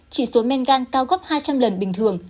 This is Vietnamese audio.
chỉ số men gan cao gấp hai trăm linh lần bình thường